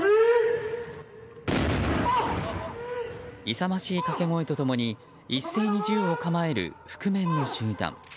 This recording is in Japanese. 勇ましい掛け声と共に一斉に銃を構える覆面の集団。